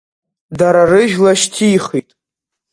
Дара рыжәла шьҭихит.